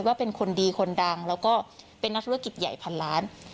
ว่าเป็นคนดีคนดังแล้วก็เป็นนักธุรกิจใหญ่พันล้าน